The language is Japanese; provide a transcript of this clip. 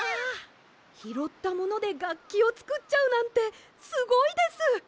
ひろったものでがっきをつくっちゃうなんてすごいです！